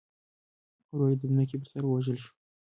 ورور یې د ځمکې پر سر ووژل شو.